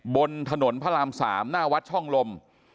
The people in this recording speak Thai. บนถนนพระราม๓หน้าวัดช่องลม